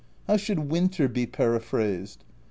"How should winter be periphrased?